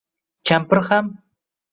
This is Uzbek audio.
Kampir ham